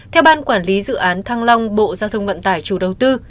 theo ban quản lý dự án thăng long bộ giao thông vận tải chủ đầu tư